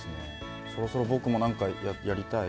そろそろ僕もなんかやりたい。